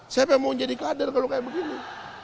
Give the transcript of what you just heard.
siapa yang mau jadi kader kalau kayak begini